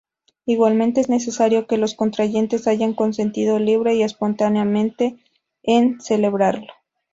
Igualmente es necesario que los contrayentes hayan consentido libre y espontáneamente en celebrarlo.